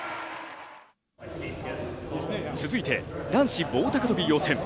続いて、男子棒高跳予選。